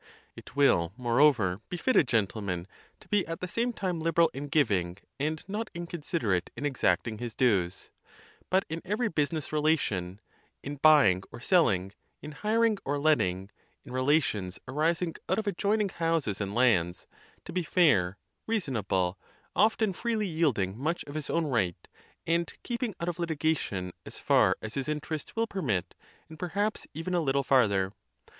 It will, moreover, befit a gentleman to be at the same time Hberal in giving and not inconsiderate in exacting his dues, but in every business relation — in buying or selHng, in hiring or letting, in relations arising out of adjoining houses and lands — to be fair, reasonable, often freely yielding much of his own right, and keeping out of Htigation as far as his interests wiU permit and perhaps even a Httle farther.